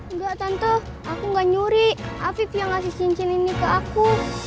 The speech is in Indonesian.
enggak tante aku enggak nyuri borders cincin ini ke aku